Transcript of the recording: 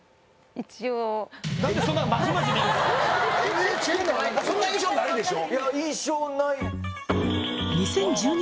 ＮＨＫのそんな印象ないでしょ？